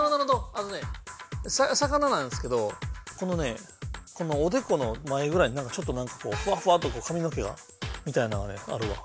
あのね魚なんですけどこのねこのおでこの前ぐらいにちょっとなんかこうふわふわっとかみの毛みたいなのがあるわ。